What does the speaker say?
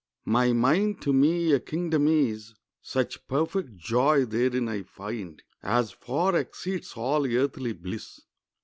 ] "My mind to me a kingdom is; Such perfect joy therein I find As far exceeds all earthly bliss.